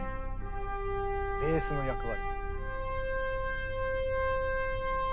ベースの役割。